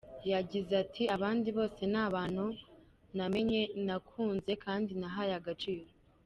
Yagize ati “Abandi bose ni abantu namenye, nakunze kandi nahaye agaciro.